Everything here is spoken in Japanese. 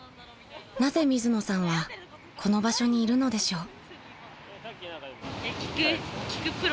［なぜ水野さんはこの場所にいるのでしょう？］